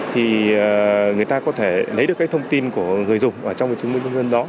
thì người ta có thể lấy được thông tin của người dùng trong chứng minh nhân dân đó